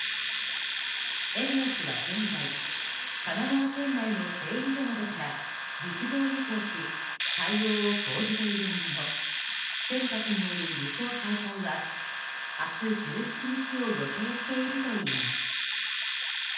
ＥＮＥＯＳは現在神奈川県内の製油所などから陸上輸送し対応を講じているものの船舶による輸送再開は明日１７日を予定しているといいます。